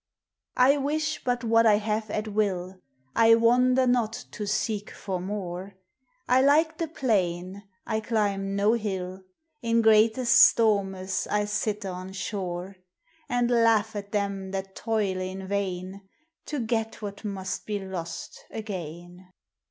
I wish but what I have at will ; I wander not to seeke for more ; I like the plaine, I clime no hill ; In greatest stormes I sitte on shore, And laugh at them that toile in vaine To get what must be lost againe.